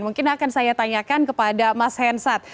mungkin akan saya tanyakan kepada mas hensat